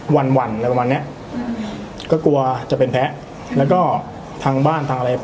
วันหวั่นอะไรประมาณเนี้ยอืมก็กลัวจะเป็นแพ้แล้วก็ทางบ้านทางอะไร